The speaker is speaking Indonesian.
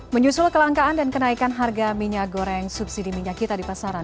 menyusul kelangkaan dan kenaikan harga minyak goreng subsidi minyak kita di pasaran